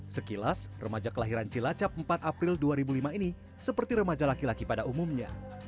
sekilas remaja kelahiran cilacap empat april dua ribu lima ini seperti remaja laki laki pada umumnya